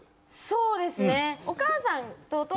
そうですね。